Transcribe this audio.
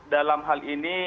dalam hal ini